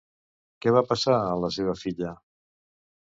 Què va passar en la seva filla?